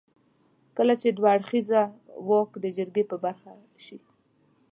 کله چې دوه اړخيز واک د جرګې په برخه شي.